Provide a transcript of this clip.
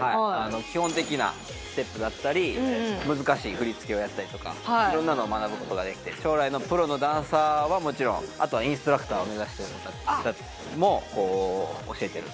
基本的なステップだったり難しい振り付けをやったりとかいろんなのを学ぶ事ができて将来のプロのダンサーはもちろんあとはインストラクターを目指している子たちも教えてる。